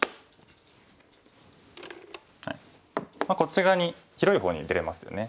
こっち側に広い方に出れますよね。